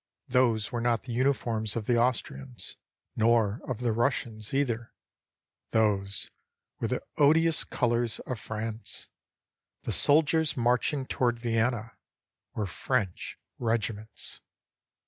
Those were not the uniforms of the Austrians, nor of the Russians either! Those were the odious colors of France. The soldiers marching toward Vienna were French regiments!